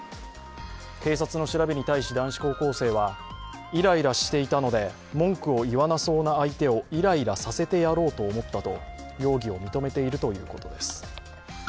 警察の調べに対し男子高校生はイライラしていたので文句を言わなそうな相手をイライラさせてやろうと思ったと容疑を認めているということです。